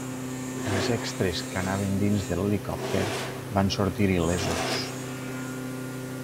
Els extres, que anaven dins de l'helicòpter van sortir il·lesos.